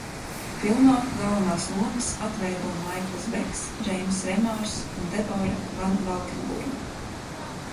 Filmā galvenās lomas atveido Maikls Beks, Džeimss Remārs un Debora Van Valkenburga.